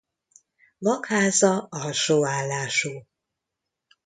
Magháza alsó állású.